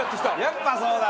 やっぱそうだ！